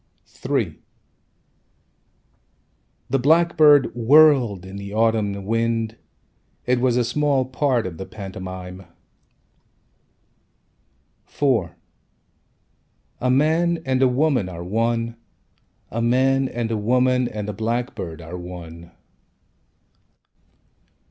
III The blackbird whirled in the autumn wind It was a small part of the pantomime. IV A man and a woman Are one. A man and a woman and a blackbird Are one.